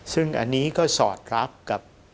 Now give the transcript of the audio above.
ซึ่งอันนี้ก็สอดรับกับ